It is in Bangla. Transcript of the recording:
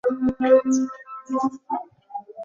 জন্ম হইতেই তুমি স্বরূপত ঈশ্বর, আমিও তাহাই।